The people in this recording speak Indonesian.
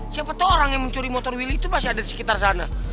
siapa tahu orang yang mencuri motor willy itu masih ada di sekitar sana